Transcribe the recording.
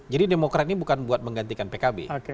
jadi demokrat ini bukan buat menggantikan pkb